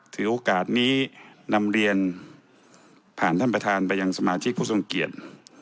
ถือโอกาสนี้นำเรียนผ่านท่านประธานไปยังสมาชิกผู้ทรงเกียจ